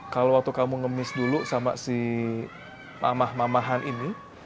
kalau waktu kamu ngemis dulu sama si mamah mama mamahan ini